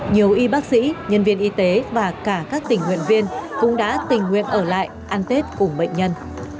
nhiều y bác sĩ nhân viên y tế và cả các tình nguyện viên cũng đã tình nguyện ở lại ăn tết cùng bệnh nhân